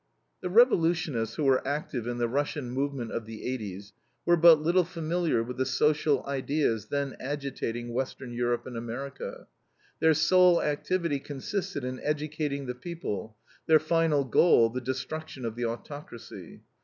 The revolutionists who were active in the Russian movement of the 80's were but little familiar with the social ideas then agitating Western Europe and America. Their sole activity consisted in educating the people, their final goal the destruction of the autocracy.